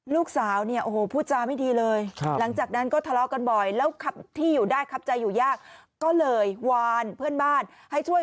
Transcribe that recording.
ลูกสาวพูดจ้าไม่ดีเลยหลังจากนั้นก็ทะเลาะกันบ่อย